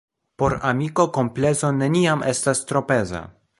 Por amiko komplezo neniam estas tro peza.